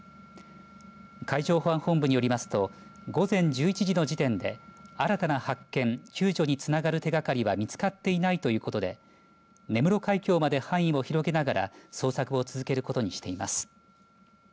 海上保安本部によりますと午前１１時の時点で新たな発見救助につながる手がかりは見つかっていないということで根室海峡まで範囲を広げながら捜索を続けることにしています。